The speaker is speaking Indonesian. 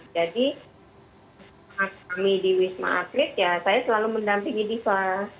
jadi kami di wisma atlet ya saya selalu mendampingi diva